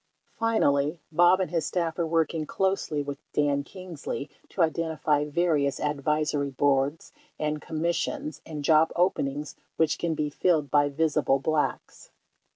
50 Finally, Bob and his staff are working closely with Dan Kingsley to identify various advisory boards and commis sions and job openings which can be filled by visible Blacks.